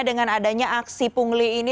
dengan adanya aksi pungli ini